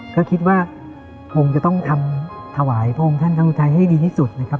ก็คิดว่าคงจะต้องทำถวายพระองค์ท่านครั้งอุทัยให้ดีที่สุดนะครับ